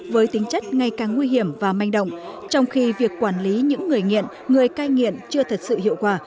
với tính chất ngày càng nguy hiểm và manh động trong khi việc quản lý những người nghiện người cai nghiện chưa thật sự hiệu quả